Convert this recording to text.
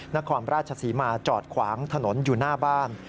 นครราชศรีมาจอดขวางถนนอยู่หน้าบ้าน